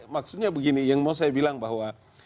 maksudnya begini yang mau saya bilang bahwa